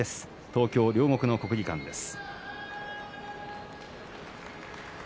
東京・両国の国技館です。